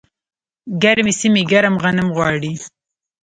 ګرمې سیمې ګرم غنم غواړي.